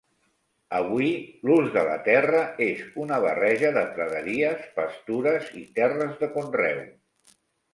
Avui, l'ús de la terra és una barreja de praderies, pastures i terres de conreu.